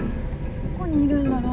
どこにいるんだろう？